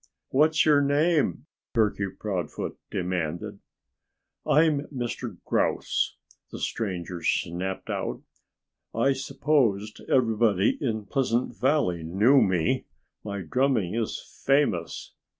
"What's your name?" Turkey Proudfoot demanded. "I'm Mr. Grouse," the stranger snapped out. "I supposed everybody in Pleasant Valley knew me. My drumming is famous."